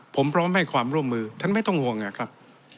ผมพร้อมให้ความร่วมมือท่านไม่ต้องห่วงนะครับ